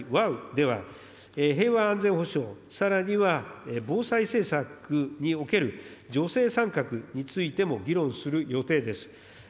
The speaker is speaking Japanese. では、平和安全保障、さらには防災政策における女性参画についても議論する予定です。